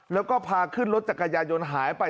แล้วก็พาขึ้นรถจักรยายนหายไป